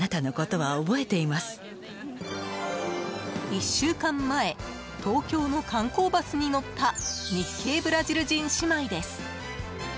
１週間前東京の観光バスに乗った日系ブラジル人姉妹です。